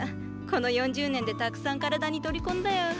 この４０年でたくさん体に取り込んだよ。